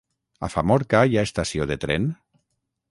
A Famorca hi ha estació de tren?